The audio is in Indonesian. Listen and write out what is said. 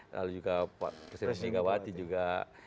lalu juga presiden singgawati juga